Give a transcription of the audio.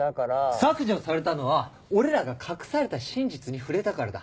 削除されたのは俺らが隠された真実に触れたからだ。